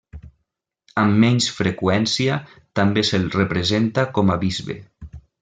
Amb menys freqüència, també se'l representa com a bisbe.